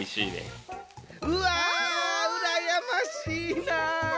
うわうらやましいな！